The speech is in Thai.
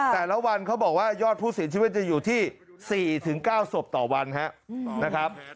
แต่ละวันเขาบอกว่ายอดผู้เสียชีวิตจะอยู่ที่๔๙ศพต่อวันนะครับ